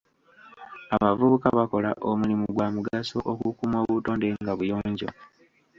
Abavubuka bakola omulimu gwa mugaso okukuuma obutonde nga buyonjo.